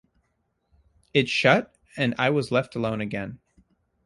It shut, and I was left alone again.